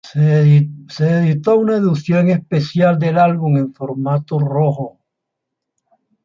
Se editó una edición especial del álbum en formato rojo.